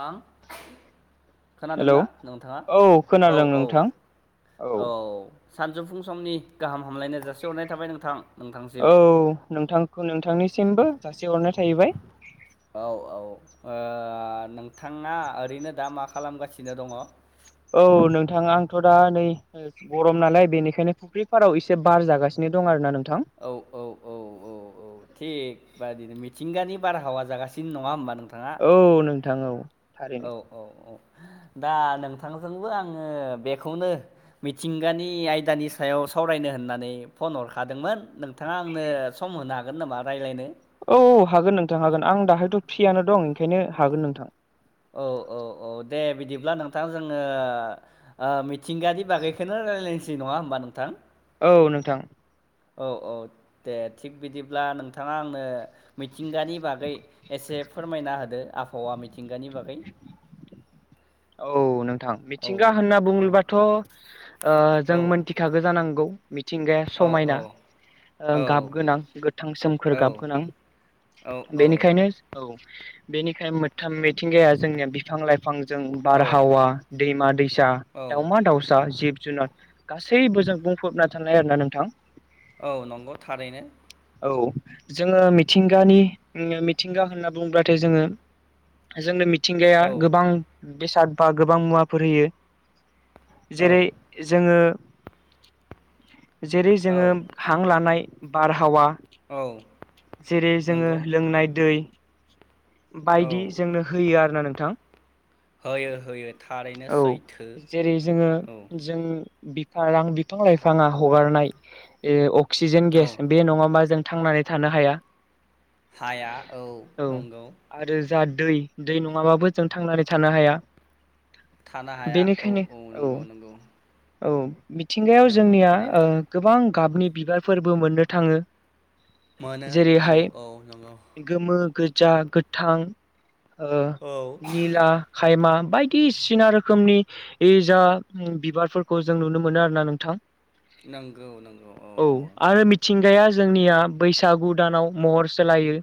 हा? हेलौ खोनादोंना नोंथाङा? औ औ खोनादों औ नोंथां औ। सानजौफुं समनि गाहाम हामलायनाय जासिहरनाय थाबाय नोंथां। नोंथांसिम औ नोंथांखौ नोंथांनिसिमबो जासि हरनाय थाहैबाय। औ औ, ओ नोंथाङा ओरैनो दा मा खालामगासिनो दङ? औ नोंथां आंथ' दा नै गरम नालाय बेनिखायनो फुख्रि फाराव एसे बार जागासिनो दं आरोना नों औ औ औ औ औ बदिनो मिथिंगानि बारहावा जागासिनो नङा होनोमबा नों औ नोंथां औ। औ थारैनो औ औ। दा नोंथांजोंबो आङो बेखौनो मिथिंगानि आयदानि सायाव सावरायनो होननानै फन हरखादोंमोन नोंथाङा आंनो सम होनो हागोन नामा रायज्लायनो? औ हागोन नोंथां हागोन आं दाहायथ' फ्रियानो दं ओंखायनो हागोन नोंथां। औ औ औ दे बिदिब्ला नोंथां जोङो ओ मिथिंगानि बागैखौनो रायलायनोसै नङा होनोमबा नोंथां। औ- नोंथां। औ औ दे थिग बिदिब्ला नोंथांङा आंनो मिथिंगानि बागै एसे फोरमायना होदो आबहावा मिथिंगानि बागै औ नोंथां औ मिथिंगा होनना औ बुंङोबाथ' ओ जों औ मोनथिखागो जानांगौ मिथिंगाया औ समायना ओ औ गाब गोनां गोथां सोमखोर गाब औ गोनां औ बेनिखायनो औ बेनिखायनो मोनथाम मिथिंगाया जोंनिया बिफां लाइफां जों औ बारहावा दैमा दैसा औ दाउमा दाउसा जिब जुनाद गासैबो जों बुंफबना थानाय आरोना नोंथां औ नंगौ थारैनो औ जोंङो मिथिंगानि मिथिंगा होनना बुंङोब्लाथाय जोंङो जोंनो मिथिंगाया औ गोबां बेसाद बा गोबां मुवाफोर होयो। औ जेरै जोंङो जेरै औ जोङो हां लानाय बारहावा औ जेरै जोंङो नंगौ लोंनाय दै औ बायदि जोंनो होयो आरोना नोंथां होयो होयो थारैनो औ सैथो जेरै जोंङो औ जों बिफां रां बिफां लाइफांङा हगारनाय ओ अक्सिजेन गेस औ बे नंङाबा जों थांनानै थानो हाया। हाया औ नंगौ आरो जा दै दै नंङाबाबो जों थांनानै थानो हाया। थानो हाया औ औ नंगौ नंगौ औ मिथिंगायाव नंगौ जोंनिया थारैनो ओ गोबां गाबनि बिबारफोरबो मोननो थांङो। मोनो औ औ नंगौ गोमो गोजा गोथां ओ औ निला एमा बायदिसिना रोखोमनि जा बिबारफोरखौ जों नुनो मोनो आरोना नोंथां नंगौ नंगौ औ औ आरो मिथिंगाया जोंनिया बैसागु दानाव महर सोलायो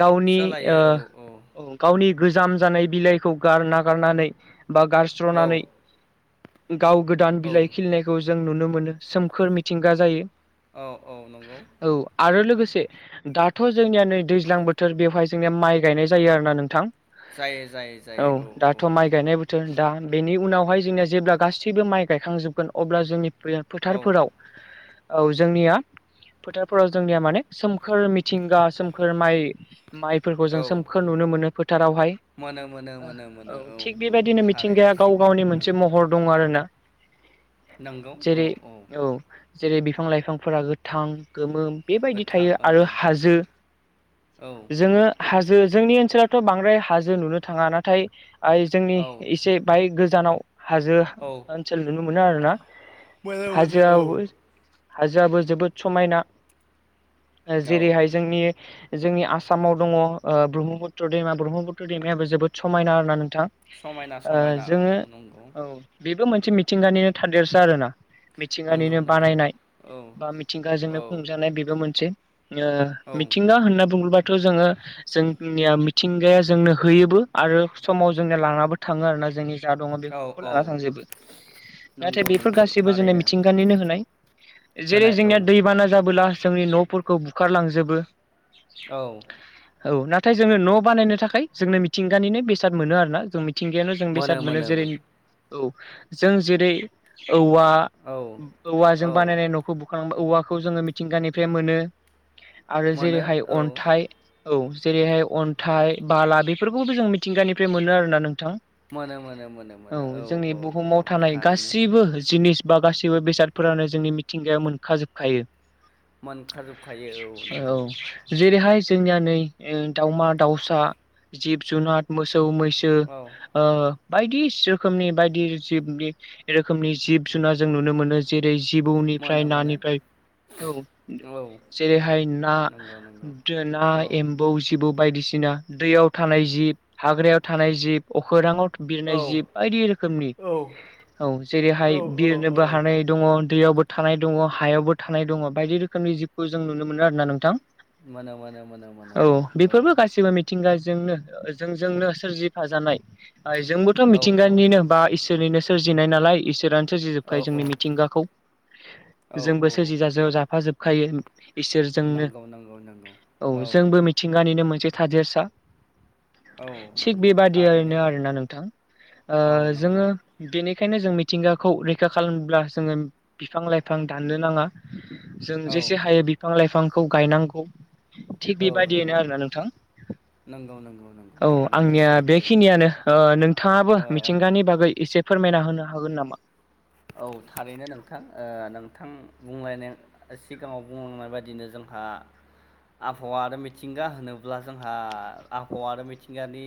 गावनि सोलायो औ ओ गावनि गोजाम जानाय बिलाइखौ गार नागारनानै बा औ गारस्र'नानै गाव गोदान औ बिलाइ खिलिनायखौ जों जों नुनो मोनो सोमखोर मिथिंगा जायो। औ औ नंगौ औ आरो लोगोसे दाथ' जोंनिया नै दैज्लां बोथोर बेवहाय जोंनिया माइ गायनाय जायो आरोना नोंथां जायो जायो औ जायो दाथ' माइ नंगौ गायनाय बोथोर दा बेनि उनावहाय जोंनिया जेब्ला गासैबो माइ गायखांजोबगोन अब्ला जोंनि औ फो-फोथारफोराव औ जोंनिया फोथारफोराव जोंनिया माने सोमखोर मिथिंगा सोमखोर माइ माइफोरखौ औ जों सोमखोर नुनो मोनो फोथारावहाय मोनो मोनो मोनो मोनो औ थिग औ बेबायदिनो थारैनो मिथिंगाया थिग गाव गावनि मोनसे महर दंङ आरो ना नोंगौ औ औ जेरै बिफां लाइफांफोरा गोथां, गोमो बेबायदि गोथां थायो औ आरो हाजो। औ जोंङो हा जो जोंनि ओनसोलावथ' बांद्राय हाजो नुनो थांङा नाथाय जोंनि औ एसे बाय गोजानाव हाजो औ ओनसोल नुनो मोनो आरो ना मोनो मोनो औ हाजोआबो जोबोद समायना। औ जेरैहाय जोंनि जोंनि आसामाव दंङ ओ ब्रह्मपुत्र दैमा, ब्रह्मपुत्र दैमायाबो जोबोद समायना होननानै थां। समायना ओ समायना जोंङो औ नंगौ औ बेबो मोन से मिथिंगानिनो थादेरसो आरोना नंगौ मिथिंगानिनो नंगौ बानायनाय औ बा औ मिथिंगाजोंनो खुंजानाय बेबो मोनसे ओ औ मिथिंगा होनना बुंङोबाथ' जोंङो जोंनिया मिथिंगाया जोंनो होयोबो आरो समाव जोंनिया लांनाबो थांङो आरोना जोंनि जा दंङ औ बेफोरखौ औ लाना थांजोबो। नाथाय नंगौ बेफोर नंगौ गासैबो जोंनो थारैनो मिथिंगानिनो होनाय। जेरै होनाय औ जोंनिया दैबाना जाबोला जोंनि न'फोरखौ बुखारलांजोबो। औ औ नाथाय जोङो न' बानायनो थाखाय जोंनो मिथिंगानिनो बेसाद मोनो आरो ना जों मि थिंगायावल' जों बेसाद मोनो जेरै औ जों जेरै औवा औ औवाजों औ बानायनाय न'खौ बुखां औवाखौ जोङो मिथिंगानिफ्राय मोनो। आरो मोनो जेरैहाय औ अन्थाइ, औ जेरैहाय अन्थाइ बाला बे फोरखौबो जों मिथिंगानिफ्राय मोनो आरो ना नों थां मोनो मोनो मोनो मोनो औ जोंनि औ बुहुमाव औ थानाय थारैनो गासिबो जिनिस बा गासैबो बेसादफोरानो जोंनि मिथिंगायाव मोनखाजोबखायो। मोनखाजोबखायो औ नंगौ जेरैहाय जोंनिया नै ओ दाउमा-दाउसा, जिब-जुनार मो सौ, मैसो औ ओ बायदि रोखोमनि बायदि जिबनि रोखोमनि जिब जुनार जों नुनो मोनो। जेरै जिबौनिफ्राय, मोनो मोनो नानिफ्राय औ औ जेरैहाय ना नंगौ नंगौ दा औ एम्बौ जिबौ बायदिसिना दैयाव थानाय जिब, हाग्रायाव थानाय जिब अखोराङाव औ बिरनाय जिब बायदि रोखोमनि, औ औ जेरैहाय औ औ बिरनोबो हानाय दङ। दैयावबो थानाय दङ हायावबो थानाय दङ बायदि रोखोमनि जिबखौ जों नुनो मोनो आरोना नोंथां। मोनो मोनो मोनो मोनो मोनो औ। जोंनो ओ जोंजोंनो सोरजिफाजानाय आ जोंबोथ' औ मिथिंगानिनो बा इसोरनिनो सोरजिनाय नालाय इसोरानो सोरजि औ जोबखायो जोंनि मिथिंगाखौ। औ औ जोंबो सोरजि जाफाजोबखायो। इसोरजोंनो। नंगौ नंगौ नंगौ औ जोंबो मिथिंगानिनो मोनसे थादेरसा। औ थिग नंगौ थारैनो बेबादियैनो आरोना नोंथां। ओ औ नंगौ जोङो बेनि खायनो जों मिथिंगाखौ रैखा खालामनोब्ला जोङो बिफां लाइफां दाननो नाङा। जों औ जेसे हायो बिफां लाइफांखौ गायनांगौ। थिग औ नंगौ बेबायदियैनो आरोना नोंथां। नंगौ नंगौ नंगौ औ थारैनो आंनिया सैथो बेखिनियानो ओ नोंथाङाबो ओ मिथिंगानि बागै एसे फोरमायना होनो हागोन नामा? औ थारैनो नोंथां। ओ नोंथां बुंलायनाय सिगाङाव बुंलांनाय बायदिनो जोंहा आबहावा आरो मिथिंगा होनोब्ला जोंहा आबहावा आरो मिथिंगानि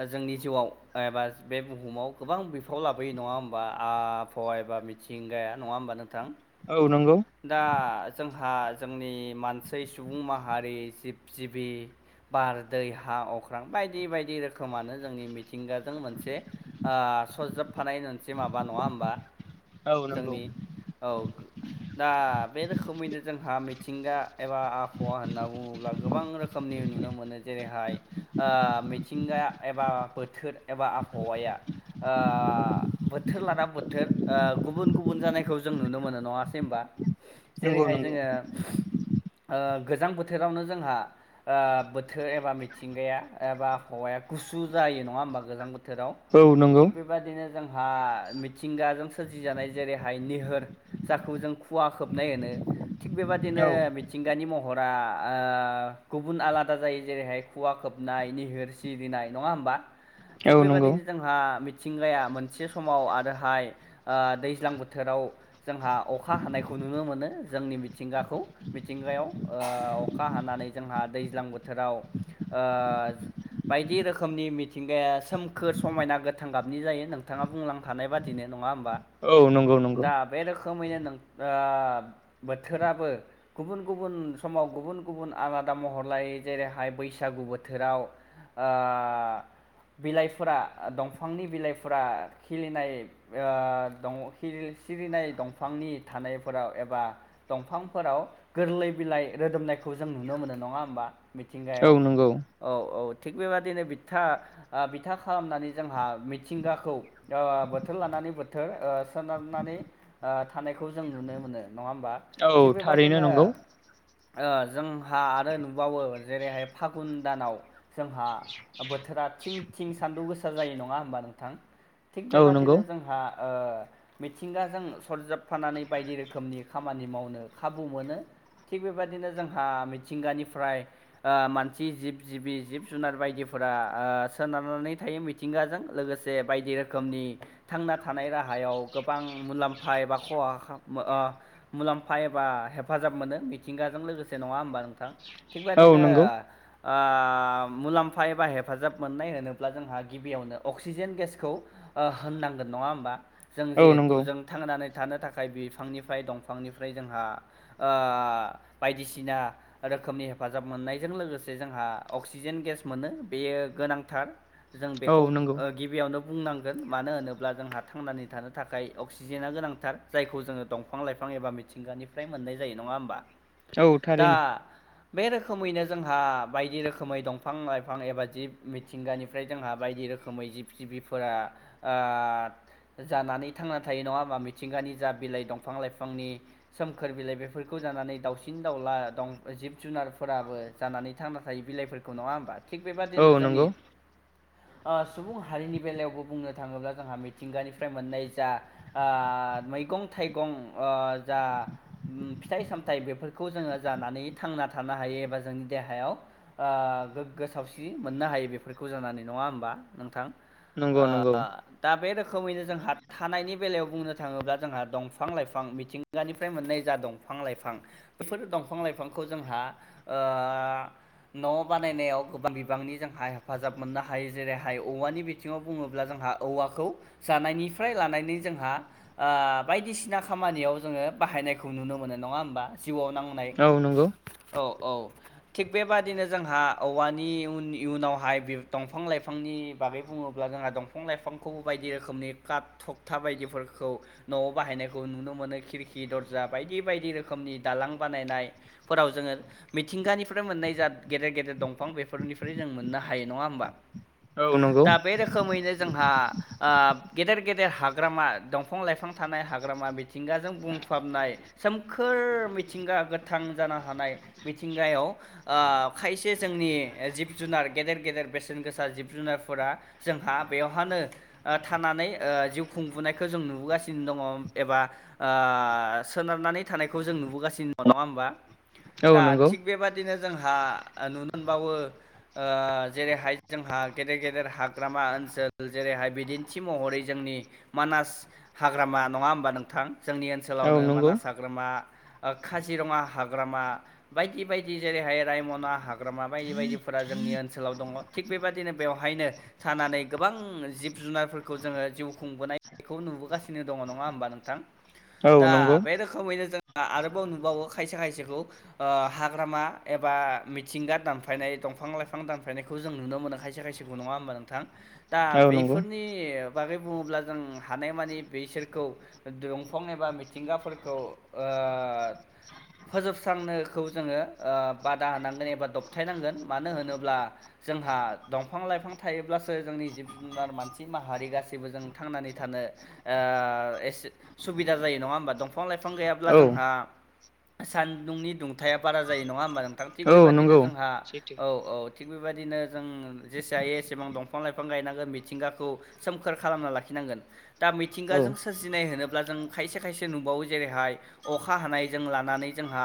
ओ जोंनि जिउआव एबा बे बुहुमाव गोबां बिफावा लाबोयो नङा होमबा आ बहावा एबा मिथिंगाया नङा होमबा नोंथां? औ नंगौ दा जों हा जोंनि मानसि सुबुं माहारि जिब-जिबि बार, दै, हा, अख्रां बायदि बायदि रोखोमानो जोंनि मि मिथिंगाजों मोनसे सरजाबफानाय मोनसे माबा नङा होमबा? औ नंगौ जोंनि औ दा बे रोखोमैनो जोंहा मिथिंगा एबा आबहावा होनना बुङोब्ला गोबां रोखोमनि नुनो मोनो। जेरैहाय मिथिंगाया एबा बोथोर एबा आबहावाया बोथोर लाना बोथोर गुबुन गुबुन जानायखौ जों नुनो मोनो नङासै होमबा। नंगौ जेरैहाय नंगौ जोङो गोजां बोथोरावनो जोंहा बोथोर एबा मिथिंगाया एबा हौवाया गुसु जायो। जायो नङा होनबा गोजां बोथोराव औ नंगौ थिक बेबायदिनो‌ जोंहा मिथिंगाजों सोरजिजानाय जेरैहाय निहोर जाखौ जों खुवा खोबनाय होनो थिग बेबादिनो औ मिथिंगानि महर रा गुबुन आलादा जायो जेरैहाय खुवा खोबनाय निहोर सिरिनाय नङा होमबा। थिग नंगौ बिबादिनो जोंहा मिथिंगाया मोनसे समाव आरोहाय दैज्लां बोथोराव जोंहा अखा हानायखौ नुनो मोनो जोंनि मिथिंगाखौ मिथिंगायाव। अखा हानानै जोंहा दैज्लां बोथोराव बायदि रोखोमनि मिथिंगाया सोमखोर समायना गोथां गाबनि जायो नोंथाङा बुंलांखानाय बादिनो नङा होमबा औ नंगौ नंगौ दा बे रोखोमैनो बोथोराबो गुबुन गुबुन समाव गुबुन गुबुन आबाद आदा महरलायै जेरैहाय बैसागु बोथोराव बिलाइफोरा दंफांनि बिलाइफोरा खिलिनाय। सिरिनाय दंफांनि थानायफोराव एबा दंफांफोराव गोरलै बिलाइ रोदोमनायखौ जों नुनो मोनो नङा होमबा मिथिंगायाव औ नंगौ औ औ थिग बेबदिनो बिथा बिथा खालामनानै जोंहा मिथिंगाखौ बोथोर लानानै। बोथोर सोनारनानै थानायखौ जों नुनो मोनो नङा होमबा औ थिग थारैनो बेबादिनो नंगौ जोंहा आरो नुबावो जेरैहाय फागुन दानाव। जोंहा बोथोरा थिं थिं सानदुं गोसा जायो नङा होमबा नोंथां। थिग औ नंगौ बेबादिनो जोंहा मिथिंगाजों सरजाबफानानै बायदि रोखोमनि खामानि मावनो खाबु मोनो। थिग बेबायदिनो जोंहा मिथिंगानिफ्राय मानसि जिब जिबि जिब जुनार बायदिफोर सोनारनानै थायो मिथिंगाजों लोगोसे बायदि रोखोमनि थांना थानाय राहायाव गोबां मुलामफा एबा खहा मुलाम्फा एबा हेफाजाब हाब मोनो मिथिंगाजों लोगोसे नङा होमबा नोंथां औ थिगबेदिनो नंगौ मुलाम्फा एबा हेफाजाब मोननाय होनोब्ला जोंहा गिबियावनो अक्सिजेन गेसखौ होननांगोन नङा होमबा जों औ जिहेथु नंगौ जों थांनानै थानो थाखाय बिफांनिफ्राय दंफांनिफ्राय जोंहा बायदिसिना रोखोमनि हेफाजाब मोननायजों लोगोसे जोंहा अक्सिजेन गेस मोनो बेयो गोनांथार जों औ बेखौ नंगौ गिबियावनो बुंनांगोन मानो होनोब्ला ब्ला जोंहा थांनानै थानो थाखाय अक्सिजेना गोनांथार जायखौ जोङो दंफां लाइफां एबा मिथिंगानिफ्राय मोनो। मोननाय जायो नङा होमबा औ दा थारैनो। बे रोखोमैनो जोंहा बायदि रोखोमै दंफां लाइफां एबा जिब मिथिंगानिफ्राय जोंहा बायदि रोखोमै जिब जिबिफोरा ओ जानानै थांना थायो नङा होमबा मिथिंगानि जा बिलाइ दंफां लाइफांनि सोमखोर बिलाइ बेफोरखौ जानानै दाउसिन दाउला द जिब जुनारफोराबो जानानै थांना थायो बिलाइफोरखौ नङा होमबा थिग औ बेबादिनो नंगौ जोंनि सुबुं हारिनि बेलायावबो बुंनो थाङोब्ला जोंहा मिथिंगानिफ्राय मोननाय जा मैगं थाइगं जा फिथाइ सामथाइ बेफोरखौ जोङो जानानै थांना थानो हायो एबा जोंनि देहायाव गोग्गो सावस्रि मोननो हायो बेफोरखौ जानानै नङा होमबा नोंथां नंगौ नंगौ। दा बे रोखोमैनो जोंहा थानायनि बेलायाव बुंनो थाङोब्ला जोंहा दंफां लाइफां मिथिंगानिफ्राय मोननाय जा दंफां लाइफां बेफोर दंफां लाइफांखौ जोंहा ओ न' बानायनायाव गोबां बिबांनि जोंहा हेफाजाब मोननो हायो जेरैहाय औवानि बिथिङाव बुङोब्ला जोंहा औवाखौ जानायनिफ्राय लानानै जोंहा ओ बायदिसिना खामानियाव जोङो बाहायनायखौ नुनो मोनो नङा होमबा जिउआव नांनाय औ नंगौ औ औ थिग बेबादिनो जोंहा औवानि इयुन इयुनावहाय बि दंफां लाइफांनि बागै बुङोब्ला जोंहा दंफां लाइ दफांखौ बायदि रोखोमनि काट थखथा बायदिफोरखौ न'आव बाहायनायखौ नुनो मोनो खिरखि दर जा बायदि बायदि रोखोमनि दालां बानायनाय फोराव जोङो मिथिंगानिफ्राय मोननाय जा गेदे गेदेर दंफां बेफोरनिफ्राय जों मोननो हायो नङा होमबा औ नंगौ दा बे रोखोमैनो आ गेदेर गेदेर हाग्रामा दंफां लाइफां थानाय हाग्रामा मिथिंगाजों बुंफाबनाय नाय सोमखोर मिथिंगा गोथां जानो हानाय मिथिंगायाव ओ खायसे से जोंनि जिब जुनार गेदेर गेदेर बेसेन गोसा जिब जुनारफोरा जोंहा बेवहानो थानानै ओ जिउ खुंबोनायखौ जों नुबोगासिनो दङ एबा ओ। ओ सोनारनानै थानायखौ जों नुबोगासिनो [unintelligible] नङा होमबा औ दा नंगौ थिग बेबादिनो जोंहा नुनो मोनबावो ओ जेरैहाय जोंहा गेदेर गेदेर हाग्रामा ओनसो सोल जेरैहाय बिदिन्थि महरै जोंनि मानास हाग्रामा नङा होमबा नोंथां। जोंनि औ ओनसोलावनो नंगौ मानास हाग्रामा। ओ काजिरङा हाग्रामा बायदि बायदि जेरैहाय रायमना हाग्रामा बायदि बायदिफोर। फ्रा जोंनि ओनसोलाव दङ थिग बेबादिनो बेवहायनो थानानै। गोबां जिब जुनारफोरखौ जोङो जिउ खुंबोनायखौ नुबोगासिनो दङ नङा होमबा नोंथां? औ दा नंगौ बे रोखोमैनो जों। आरोबाव नुबावो खायसे खायसेखौ ओ हाग्रामा एबा मिथिंगा दामफायनाय। दंफां लाइफां दानफायनायखौ जों नुनो मोनो खायसे खायसेखौ नङा होमबा नोंथां दा औ नंगौ बैफोरनि। बागै बुङोब्ला जों हानायमानि बैसोरखौ द दंफां एबा मिथिंगाफोरखौ ओ। दा फोजोबस्रांनोखौ जोङो ओ बादा होनांगोन एबा दबथायनांगोन मानो होनोब्ला। जोंहा दंफां लाइफां थायोब्लासो जोंनि। जिब जुनार मानसि माहारि गासैबो जों थांनानै थानो ओ एसे सुबिदा जायो। नङा होमबा दंफां लाइफां गैयाब्ला औ जोंहा। सान्दुंनि दुंथाया बारा जायो नङा होमबा नोंथां थिग औ बेबायदिनो। नंगौ जोंहा सैथो औ औ थिग बेबायदिनो जों जेसे हायो एसेबां दंफां लाइफां। फां गायनांगोन मिथिंगाखौ सोमखोर खालामना लाखिनांगोन दा औ मिथिंगाजों सोरजिनाय होनोब्ला जों। खायसे खायसे नुबावो जेरैहाय अखा हानायजों लानानै जोंहा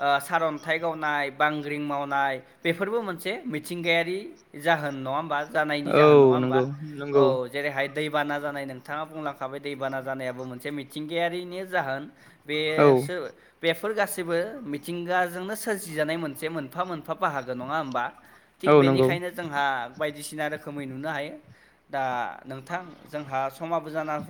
ओ सारन्थाइ गावनाय। बांग्रिं मावनाय बेफोरबो मोनसे मिथिंगायारि जाहोन नङा होमबा जानायनि। औ जाहोन नङा होमबा? नंगौ औ नंगौ जेरैहाय दैबाना जानाय नोंथाङा बुंलांखाबाय दैबाना जानायाबो मोनसे मिथिंगायारिनि जाहोन। बे औ सो बेफोर गासैबो मिथिंगाजोंनो सोरजिजानाय मोनसे मोनफा मोन [unintelligible] बाहागो नङा होमबा थिग औ नंगौ बेनिखायनो जोंहा बायदिसिना रो खोमै नुनो हायो दा नोंथां जोंहा समाबो जाना